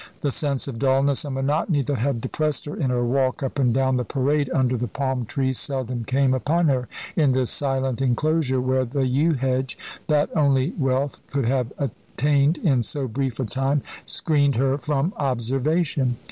The sense of dullness and monotony that had depressed her in her walk up and down the parade under the palm trees seldom came upon her in this silent enclosure, where the yew hedge that only wealth could have attained in so brief a time screened her from observation.